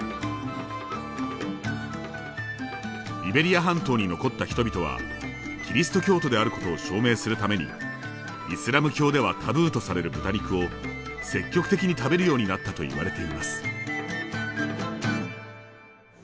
イベリア半島に残った人々はキリスト教徒であることを証明するためにイスラム教ではタブーとされる豚肉を積極的に食べるようになったといわれています。